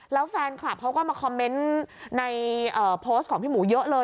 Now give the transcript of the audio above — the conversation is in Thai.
แล้วแฟนคลับเขาก็มาคอมเมนต์ในโพสต์ของพี่หมูเยอะเลย